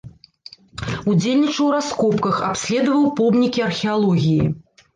Удзельнічаў у раскопках, абследаваў помнікі археалогіі.